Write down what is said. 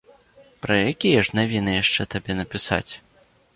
Пра якія ж навіны яшчэ табе напісаць?